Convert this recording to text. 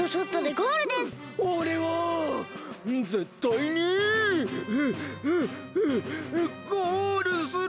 ゴールする！